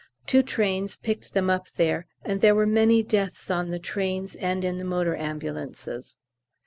Two trains picked them up there, and there were many deaths on the trains and in the motor ambulances.